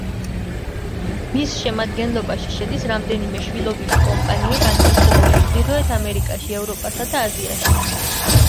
მის შემადგენლობაში შედის რამდენიმე შვილობილი კომპანია განთავსებული ჩრდილოეთ ამერიკაში, ევროპასა და აზიაში.